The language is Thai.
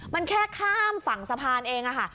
มันแค่ข้ามฝั่งสะพานเองค่ะ